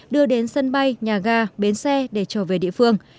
đưa đến sân bay nhà ga bến xe để trở về địa phương